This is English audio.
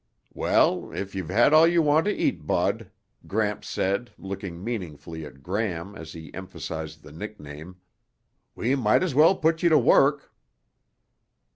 "Well, if you've had all you want to eat, Bud," Gramps said, looking meaningfully at Gram as he emphasized the nickname, "we might as well put you to work."